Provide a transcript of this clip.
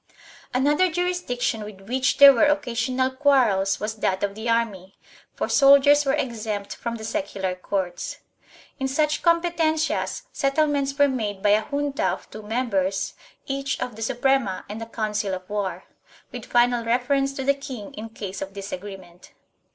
1 Another jurisdiction with which there were occasional quarrels was that of the army, for soldiers were exempt from the secular courts. In such competencias settlements were made by a junta of two members each of the Suprema and the Council of War, with final reference to the king in case of disagreement.